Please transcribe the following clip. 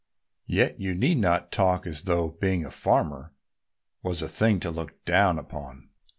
Yet you need not talk as though being a farmer was a thing to look down upon.